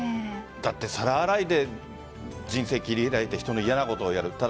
だって皿洗いで人生切り開いて嫌なことをやる。